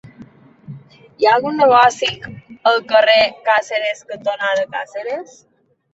Hi ha algun negoci al carrer Càceres cantonada Càceres?